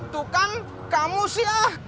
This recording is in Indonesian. tuh kan kamu sih ah